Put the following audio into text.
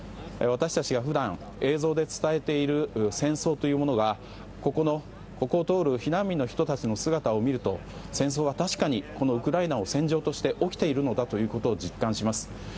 私たちが普段、映像で伝えている戦争というものがここを通る避難民の人たちの姿を見ると戦争は確かにこのウクライナを戦場として起きているのだということを実感します。